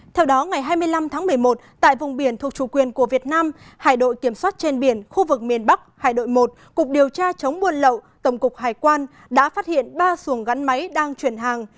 theo đó ngày hai mươi năm tháng một mươi một tại vùng biển thuộc chủ quyền của việt nam hải đội kiểm soát trên biển khu vực miền bắc hải đội một cục điều tra chống buôn lậu tổng cục hải quan đã phát hiện ba xuồng gắn máy đang chuyển hàng